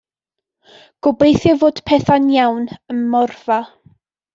Gobeithio fod pethau'n iawn ym Morfa.